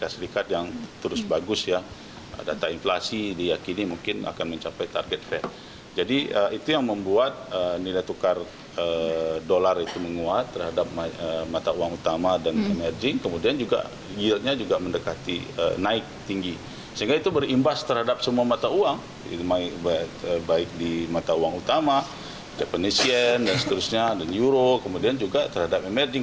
sehingga itu berimbas terhadap semua mata uang baik di mata uang utama japanese yen dan seterusnya dan euro kemudian juga terhadap emerging